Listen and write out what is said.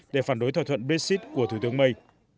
để phản đối thỏa thuận brexit của thủ tướng may